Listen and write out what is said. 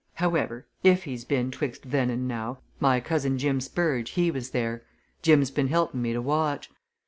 However, if he's been 'twixt then and now, my cousin Jim Spurge, he was there. Jim's been helping me to watch.